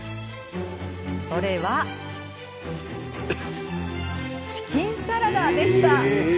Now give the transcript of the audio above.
それは、チキンサラダでした。